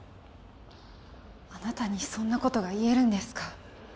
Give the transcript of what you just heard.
あなたにそんなことが言えるんですか？